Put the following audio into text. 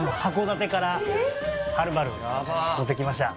函館からはるばる持ってきました